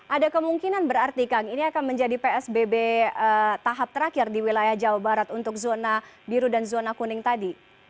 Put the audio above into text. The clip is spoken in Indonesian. ada kemungkinan berarti kang ini akan menjadi psbb tahap terakhir di wilayah jawa barat untuk zona biru dan zona kuning tadi